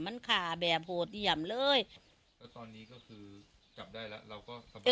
มันขาแบบโหดเยี่ยมเลยแล้วตอนนี้ก็คือจับได้แล้วเราก็สบาย